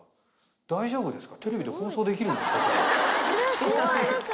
大丈夫ですか？